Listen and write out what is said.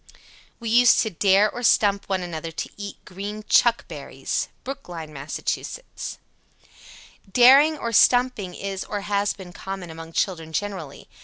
74. We used to "dare" or "stump" one another to eat green "chuckcherries." Brookline, Mass. 75. Daring or "stumping" is or has been common among children generally.